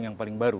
yang paling baru